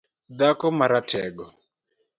Dhako maratego